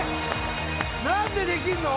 何でできるの？